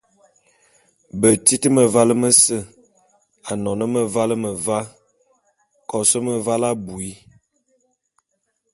Betit mevale mese, anon meval meva, kos meval abui.